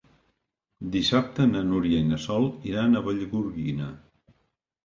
Dissabte na Núria i na Sol iran a Vallgorguina.